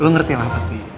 lo ngerti lah pasti